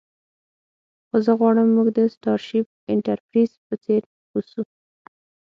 خو زه غواړم موږ د سټارشیپ انټرپریز په څیر اوسو